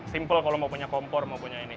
simple kalau mau punya kompor mau punya ini